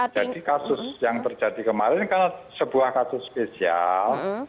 jadi kasus yang terjadi kemarin kan sebuah kasus spesial